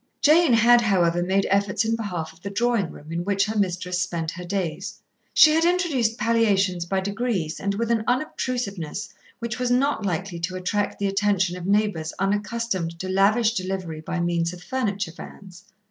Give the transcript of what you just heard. Jane had, however, made efforts in behalf of the drawing room, in which her mistress spent her days. She had introduced palliations by degrees and with an unobtrusiveness which was not likely to attract the attention of neighbours unaccustomed to lavish delivery by means of furniture vans.